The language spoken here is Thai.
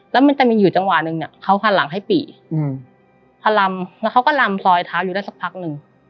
แล้วมันจะมีอยู่จังหวะหนึ่งเขาหันหลังให้ปีพันลำแล้วเขาก็ลำซอยเท้าอยู่ได้สักพักหนึ่ง